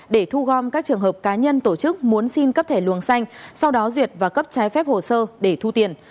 để thu gom các trường hợp cá nhân tổ chức muốn xin cấp thẻ luồng xanh sau đó duyệt và cấp trái phép hồ sơ để thu tiền